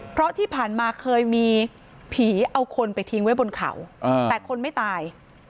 เพราะที่ผ่านมาเคยมีผีเอาคนไปทิ้งไว้บนเขาแต่คนไม่ตาย